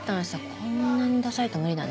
こんなにダサいと無理だね。